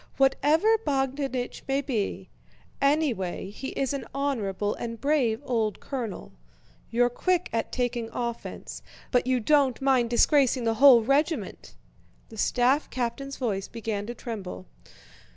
Whatever Bogdánich may be, anyway he is an honorable and brave old colonel! You're quick at taking offense, but you don't mind disgracing the whole regiment!" The staff captain's voice began to tremble.